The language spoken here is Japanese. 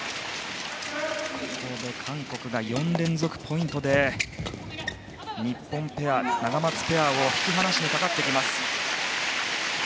韓国が４連続ポイントで日本ペアナガマツペアを引き離しにかかってきます。